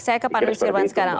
saya ke pak nusirwan sekarang